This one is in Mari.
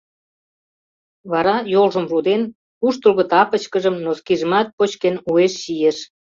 Вара, йолжым руден, куштылго тапочкыжым, носкижымат почкен, уэш чийыш.